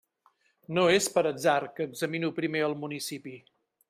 No és per atzar que examino primer el municipi.